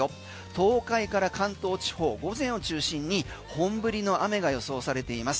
東海から関東地方、午前を中心に本降りの雨が予想されています。